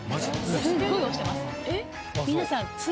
すっごい押してます。